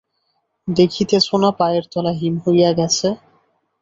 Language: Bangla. দেখিতেছ না পায়ের তলা হিম হইয়া গেছে।